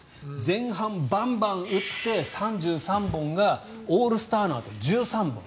前半、バンバン打って３３本がオールスターのあと１３本。